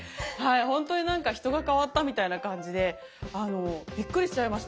ほんとになんか人が変わったみたいな感じでびっくりしちゃいました。